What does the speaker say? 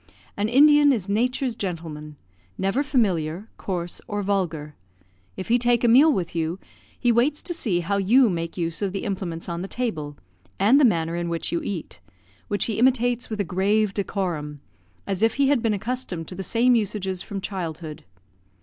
An Indian is Nature's gentleman never familiar, coarse, or vulgar. If he take a meal with you, he waits to see how you make use of the implements on the table, and the manner in which you eat, which he imitates with a grave decorum, as if he had been accustomed to the same usages from childhood.